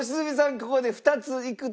ここで２ついくと。